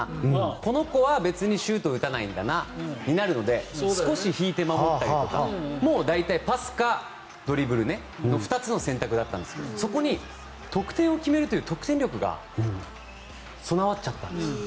この子はシュートを打たないんだなとなるので少し引いて守ったりとか大体、パスかドリブルねの２つの選択だったんですけどそこに得点を決めるという得点力が備わっちゃったんです。